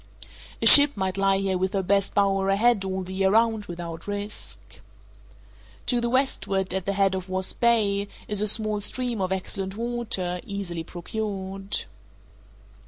A ship might lie here with her best bower ahead all the year round without risk. To the westward, at the head of Wasp Bay, is a small stream of excellent water, easily procured.